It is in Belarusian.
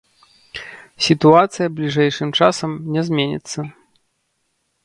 Сітуацыя бліжэйшым часам не зменіцца.